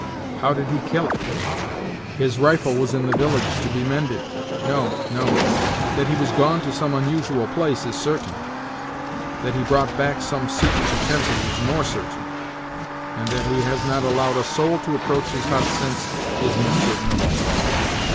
"How did he kill it? His rifle was in the village, to be mended. No, no that he was gone to some unusual place is certain; that he brought back some secret utensils is more certain; and that he has not allowed a soul to approach his hut since is most certain of all."